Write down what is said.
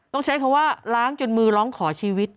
ต้องใช้คำว่าล้างจนมือร้องขอชีวิต